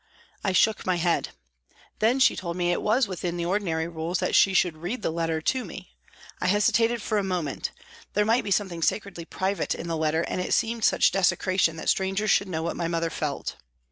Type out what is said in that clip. I shook my head. Then she told me it was within the ordinary rules that she should read the letter to me. I hesitated for a moment ; there might be something sacredly private in the letter and it seemed such desecration that strangers should know what my mother felt.